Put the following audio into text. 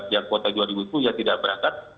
yang kuota dua ribu dua puluh yang tidak berangkat